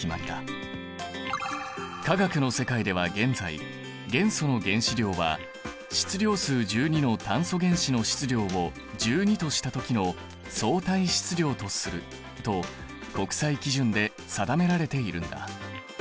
化学の世界では現在元素の原子量は「質量数１２の炭素原子の質量を１２とした時の相対質量とする」と国際基準で定められているんだ。